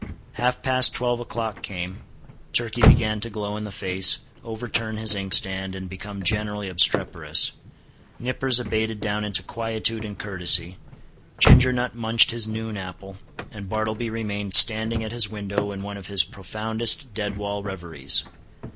Half past twelve o'clock came; Turkey began to glow in the face, overturn his inkstand, and become generally obstreperous; Nippers abated down into quietude and courtesy; Ginger Nut munched his noon apple; and Bartleby remained standing at his window in one of his profoundest dead wall reveries.